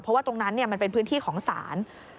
เพราะว่าตรงนั้นมันเป็นพื้นที่ของศาล